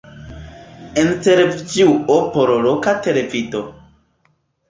Intervjuo por loka televido.